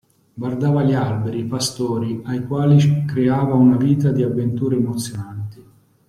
Guardava gli alberi, i pastori, ai quali creava una vita di avventure emozionanti.